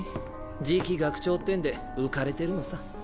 次期学長ってんで浮かれてるのさ。